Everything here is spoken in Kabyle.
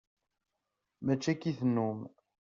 Mačči akka i tennum.